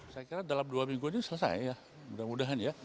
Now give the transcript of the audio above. saya kira dalam dua minggu ini selesai ya mudah mudahan ya